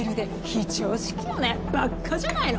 非常識よねバッカじゃないの！